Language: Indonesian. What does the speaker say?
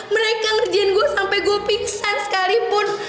mereka ngerjain gue sampai gue pingsan sekalipun